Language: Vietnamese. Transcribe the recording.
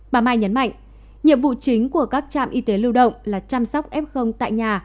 bà mai nhấn mạnh nhiệm vụ chính của các trạm y tế lưu động là chăm sóc f tại nhà